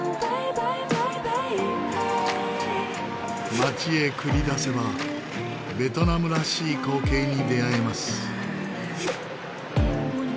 街へ繰り出せばベトナムらしい光景に出会えます。